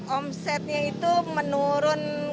omsetnya itu menurun